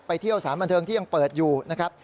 เที่ยวสารบันเทิงที่ยังเปิดอยู่นะครับ